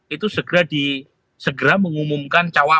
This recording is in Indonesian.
itu segera mengumumkan